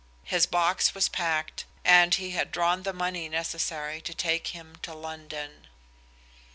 His box was packed, and he had drawn the money necessary to take him to London.